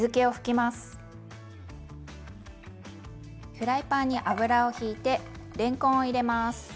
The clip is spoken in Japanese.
フライパンに油をひいてれんこんを入れます。